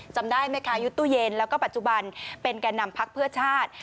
จำได้ไหมคะยุดตู้เย็นแล้วก็ปัจจุบันเป็นแก่นำพักเพื่อชาติ